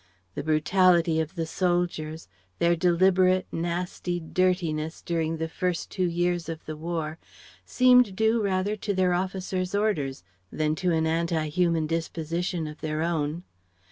The brutality of the soldiers, their deliberate, nasty dirtiness during the first two years of the War seemed due rather to their officers' orders than to an anti human disposition of their own.